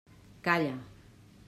Calla!